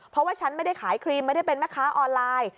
เพราะว่าฉันไม่ได้ขายครีมไม่ได้เป็นแม่ค้าออนไลน์